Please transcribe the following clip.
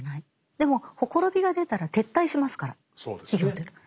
でもほころびが出たら撤退しますから企業というのは。